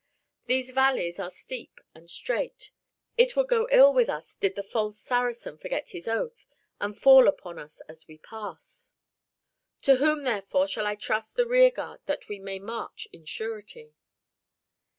These valleys are steep and straight. It would go ill with us did the false Saracen forget his oath, and fall upon us as we pass. To whom therefore shall I trust the rear guard that we may march in surety?"